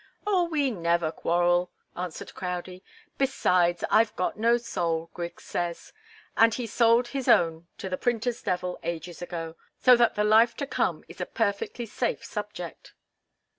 "Oh, we never quarrel," answered Crowdie. "Besides, I've got no soul, Griggs says, and he sold his own to the printer's devil ages ago so that the life to come is a perfectly safe subject."